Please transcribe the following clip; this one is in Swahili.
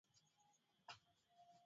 kwa mamlaka nyingi na serikali za kitaifa